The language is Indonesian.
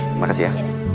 terima kasih ya